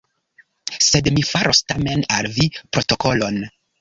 Sed mi faros tamen al vi protokolon.